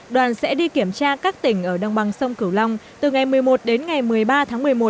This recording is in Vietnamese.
đoàn sẽ đi kiểm tra các tỉnh ở đồng bằng sông cửu long từ ngày một mươi một đến ngày một mươi ba tháng một mươi một